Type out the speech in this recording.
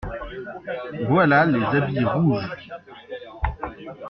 Voilà les habits rouges!